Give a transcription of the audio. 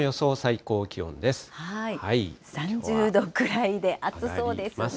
さあ、３０度くらいで暑そうですね。